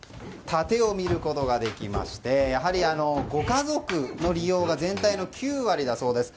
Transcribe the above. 殺陣を見ることができましてやはり、ご家族の利用が全体の９割だそうです。